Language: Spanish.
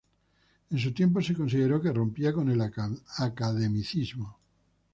En su tiempo se consideró que rompía con el academicismo.